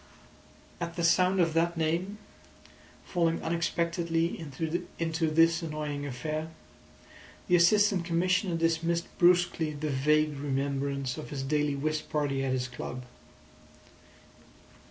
At the sound of that name, falling unexpectedly into this annoying affair, the Assistant Commissioner dismissed brusquely the vague remembrance of his daily whist party at his club.